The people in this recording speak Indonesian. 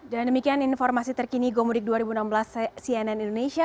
dan demikian informasi terkini gomudik dua ribu enam belas cnn indonesia